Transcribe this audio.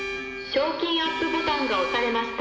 賞金アップボタンが押されました。